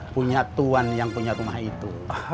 punya tuan yang punya rumah itu